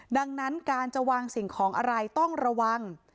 ดังนั้นการจะวางสิ่งของอะไรต้องระวัง